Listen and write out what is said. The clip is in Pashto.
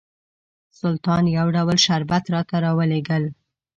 سلطان یو ډول شربت راته راولېږل.